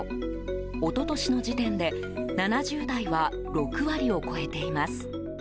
一昨年の時点で７０代は６割を超えています。